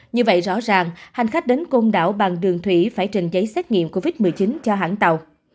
như vậy rõ ràng hành khách đến côn đảo bằng đường thủy phải trình giấy xét nghiệm covid một mươi chín cho hãng tàu